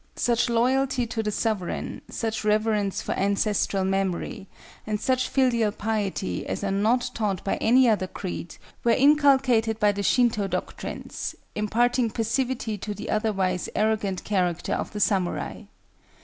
Such loyalty to the sovereign, such reverence for ancestral memory, and such filial piety as are not taught by any other creed, were inculcated by the Shinto doctrines, imparting passivity to the otherwise arrogant character of the samurai.